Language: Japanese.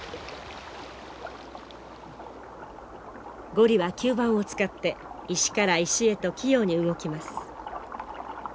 ゴリは吸盤を使って石から石へと器用に動きます。